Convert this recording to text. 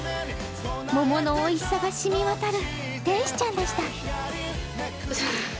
桃のおいしさがしみ渡る天使ちゃんでした。